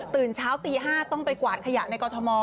เช้าตี๕ต้องไปกวาดขยะในกรทม